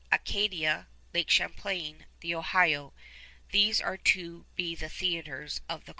Acadia, Lake Champlain, the Ohio, these are to be the theaters of the contest.